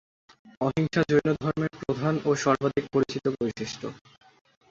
অহিংসা জৈনধর্মের প্রধান ও সর্বাধিক পরিচিত বৈশিষ্ট্য।